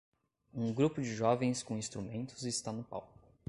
Um grupo de jovens com instrumentos está no palco.